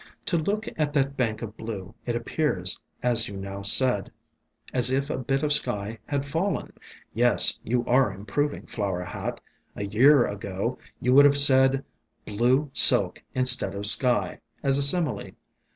To look at that bank of blue, it appears, as you now said, as if a bit of sky had fallen. Yes, you are improving, Flower Hat. A year ago you would have said * blue silk' instead of 'sky,' as a simile.